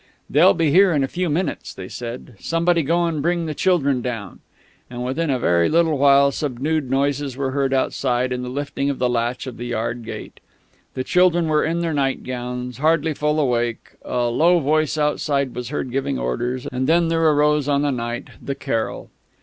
"They'll be here in a few minutes," they said; "somebody go and bring the children down;" and within a very little while subdued noises were heard outside, and the lifting of the latch of the yard gate. The children were in their nightgowns, hardly fully awake; a low voice outside was heard giving orders; and then there arose on the night the carol.